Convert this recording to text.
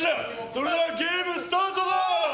それではゲームスタートだ！